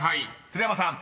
鶴山さん］